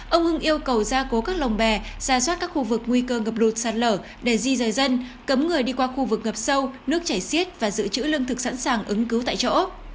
ông hưng yêu cầu gia cố các lồng bè ra soát các khu vực nguy cơ ngập lụt sạt lở để di rời dân cấm người đi qua khu vực ngập sâu nước chảy xiết và giữ chữ lương thực sẵn sàng ứng cứu tại chỗ